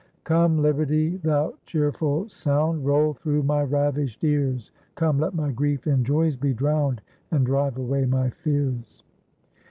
Come, Liberty! thou cheerful sound, Roll through my ravished ears; Come, let my grief in joys be drowned, And drive away my fears."